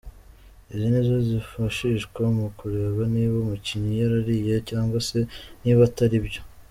Izi ni zo zifashishwa mu kureba niba umukinnyi yaraririye cyangwa se niba atari byo.